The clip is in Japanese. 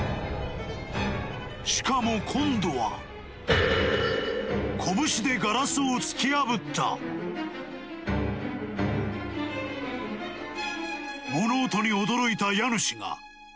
しかも今度は拳でガラスを突き破った物音に驚いた家主が恐る恐る様子を見に来ると